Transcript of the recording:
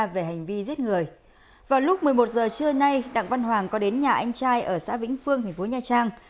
vào lúc một mươi một giờ trưa nay đặng văn hoàng có đến nhà anh trai ở xã vĩnh phương thành phố nha trang